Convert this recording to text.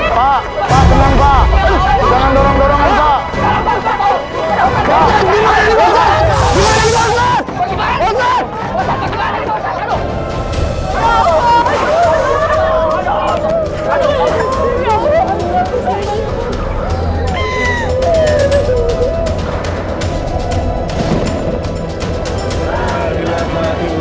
pak kenapa terhenti